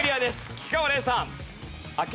菊川怜さん。